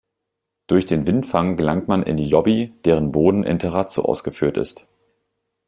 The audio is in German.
Durch den Windfang gelangt man in die Lobby, deren Boden in Terrazzo ausgeführt ist.